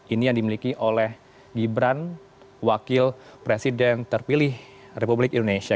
ini yang dimiliki oleh gibran wakil presiden terpilih republik indonesia